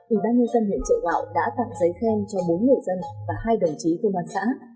ủy ban nhân dân hiện trợ gạo đã tặng giấy khen cho bốn người dân và hai đồng chí của ban xã